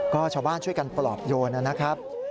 ก็ชาวบ้านช่วยกันปลอบโยนนะครับ